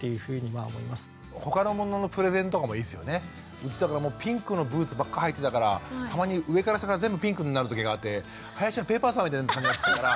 うちだからピンクのブーツばっかはいてたからたまに上から下から全部ピンクになるときがあって林家ペー・パーさんみたいな感じになってたから。